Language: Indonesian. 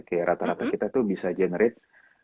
kayak rata rata kita tuh bisa generate